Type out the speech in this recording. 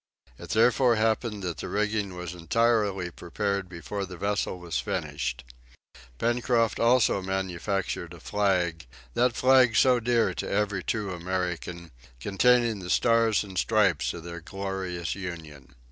It therefore happened that the rigging was entirely prepared before the vessel was finished. Pencroft also manufactured a flag, that flag so dear to every true American, containing the stars and stripes of their glorious Union.